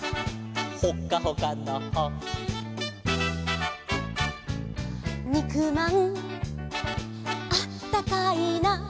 「ほっかほかのほ」「にくまんあったかいな」